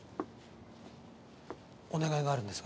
お願いがあるんですが。